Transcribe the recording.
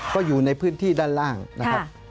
ก็อยู่ในพื้นที่ด้านล่างนะครับ